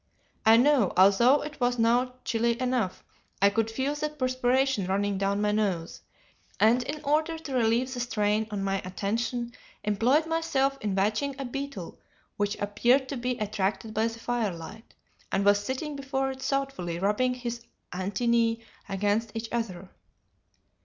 I know, although it was now chilly enough, I could feel the perspiration running down my nose, and in order to relieve the strain on my attention employed myself in watching a beetle which appeared to be attracted by the firelight, and was sitting before it thoughtfully rubbing his antennæ against each other.